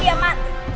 dia akan mati